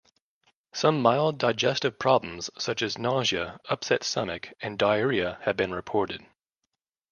Some mild digestive problems such as nausea, upset stomach, and diarrhea have been reported.